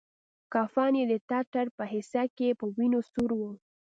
کفن يې د ټټر په حصه کښې په وينو سور و.